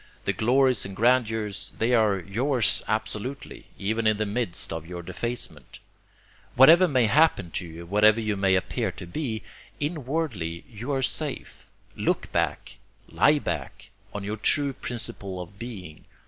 The glories and grandeurs, they are yours absolutely, even in the midst of your defacements. Whatever may happen to you, whatever you may appear to be, inwardly you are safe. Look back, LIE back, on your true principle of being!